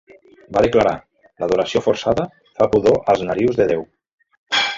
Va declarar: "L'adoració forçada fa pudor als narius de Déu.